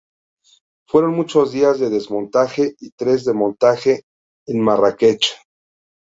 Fueron muchos días de desmontaje, y tres de montaje en Marrakech".